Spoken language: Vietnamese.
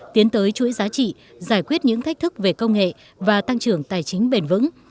tiến tới chuỗi giá trị giải quyết những thách thức về công nghệ và tăng trưởng tài chính bền vững